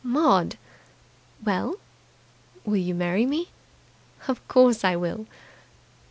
"Maud!" "Well?" "Will you marry me?" "Of course I will."